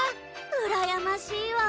うらやましいわ。